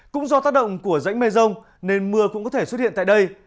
cũng do tác động của rãnh mây rông nên mưa cũng có thể xuất hiện tại đây